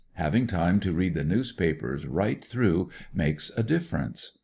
Having time to read the newspapers right through makes a differ ence.